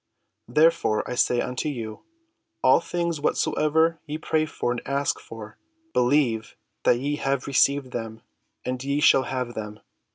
Therefore I say unto you, All things whatsoever ye pray and ask for, believe that ye have received them, and ye shall have them.